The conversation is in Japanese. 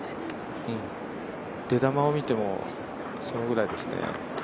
出球を見てもそのぐらいですね。